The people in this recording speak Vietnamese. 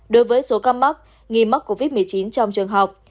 đối với số ca mắc nghi mắc covid một mươi chín trong trường học